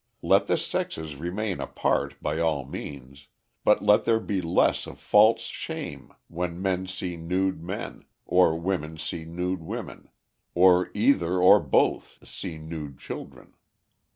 Let the sexes remain apart, by all means, but let there be less of false shame when men see nude men, or women see nude women, or either or both see nude children.